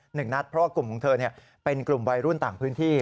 หนึ่งนัดเพราะว่ากลุ่มของเธอเป็นกลุ่มวัยรุ่นต่างพื้นที่